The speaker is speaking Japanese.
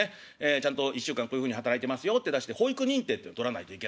ちゃんと「１週間こういうふうに働いてますよ」って出して保育認定っていうの取らないといけないんですええ。